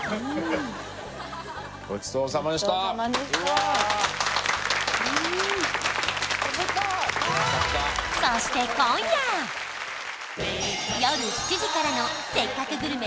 ごちそうさまでした夜７時からの「せっかくグルメ！！」